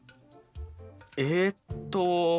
えっと